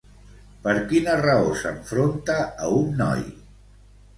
Per quina raó s'enfronta a un noi?